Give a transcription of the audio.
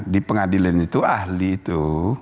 di pengadilan itu ahli itu